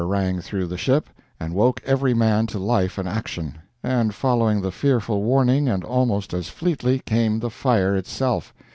rang through the ship, and woke every man to life and action. And following the fearful warning, and almost as fleetly, came the fire itself.